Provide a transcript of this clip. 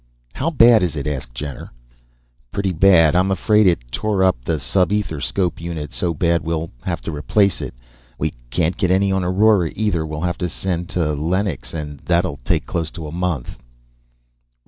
"How bad is it?" asked Jenner. "Pretty bad, I'm afraid. It tore up the subetherscope unit so bad we'll have to replace it. We can't get any on Aurora either. We'll have to send to Lennix, and that'll take close to a month."